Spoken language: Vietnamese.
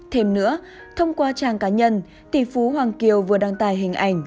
thêm nữa thông qua trang cá nhân tỷ phú hoàng kiều vừa đăng tải hình ảnh